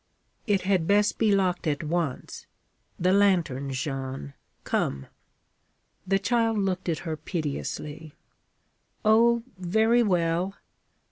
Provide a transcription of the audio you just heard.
'It had best be locked at once. The lantern, Jeanne. Come.' The child looked at her piteously. 'Oh, very well!'